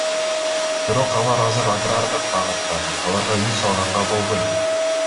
Бирок алар азыр агрардык багытта, аларга үй салганга болбойт.